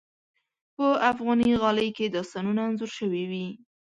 په افغاني غالۍ کې داستانونه انځور شوي وي.